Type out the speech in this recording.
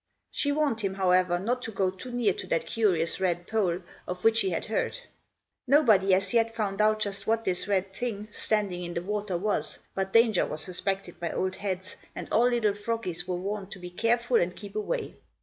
She warned him, however, not to go too near to that curious red pole, of which he had heard. Nobody as yet found out just what this red thing, standing in the water, was; but danger was suspected by old heads, and all little froggies were warned to be careful and keep away.